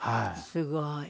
すごい。